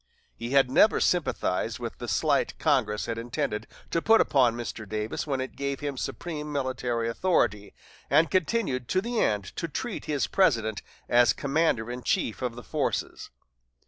He had never sympathized with the slight Congress had intended to put upon Mr. Davis when it gave him supreme military authority, and continued to the end to treat his President as commander in chief of the forces.